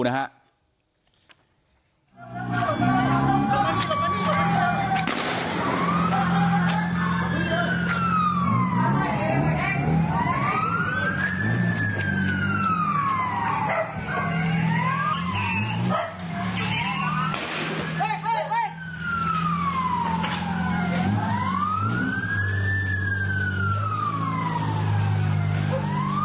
เธอเลย